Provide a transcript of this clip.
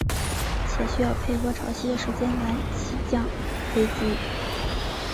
且需要配合潮汐的时间来起降飞机。